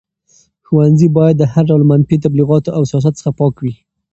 ښوونځي باید د هر ډول منفي تبلیغاتو او سیاست څخه پاک وي.